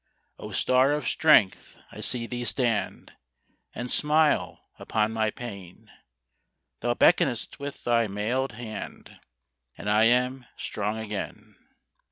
O star of strength! I see thee stand And smile upon my pain; Thou beckonest with thy mailed hand, And I am strong again.